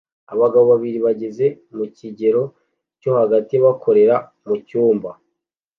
Abagabo babiri bageze mu kigero cyo hagati bakorera mucyumba